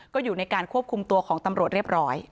ก็อยู่ในการควบคุมตัวของตำรวจเรียบร้อย